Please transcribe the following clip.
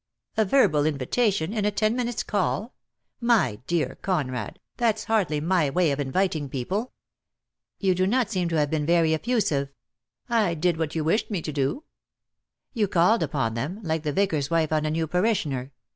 "A verbal invitation, in a ten minutes' call! My dear Conrad, that's hardly my way of inviting people." "You do not seem to have been very effusive." "I did what you wished me to do." "You called upon them — like the Vicar's wife on a new parishioner.